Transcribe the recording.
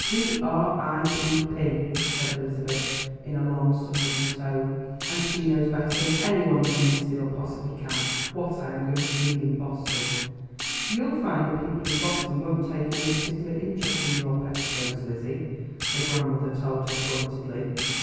T r i p p," said Elizabeth, in a long suffering tone; "and she knows better than any one in Innisfield possibly can what I am going to need in Boston." "You'll find the people in Boston won't take any particular interest in your petticoats, Lizzie," her grandmother told her pointedly.